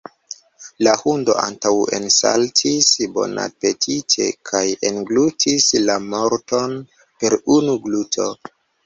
La hundo antaŭensaltis bonapetite kaj englutis la morton per unu gluto.